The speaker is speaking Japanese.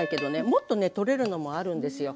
もっとねとれるのもあるんですよ。